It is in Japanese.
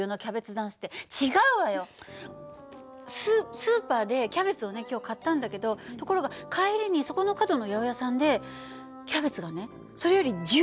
ススーパーでキャベツをね今日買ったんだけどところが帰りにそこの角の八百屋さんでキャベツがねそれより１０円も安く売ってた訳。